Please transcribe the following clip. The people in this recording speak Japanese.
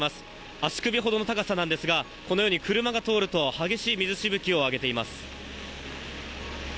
足首ほどの高さなんですが、このように車が通ると激しい水しぶきを上げています。